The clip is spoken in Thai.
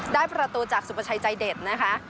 ได้ประตูจากสุประชัยใจเด็ดนะคะ